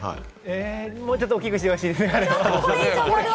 もうちょっと大きくしてほしいです。